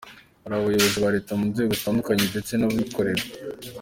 Hari abayobozi ba Leta mu nzego zitandukanye ndetse n'abikorera.